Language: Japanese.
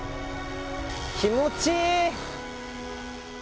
気持ちいい！